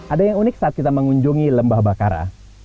ada yang unik saat kita mengunjungi lembah bakara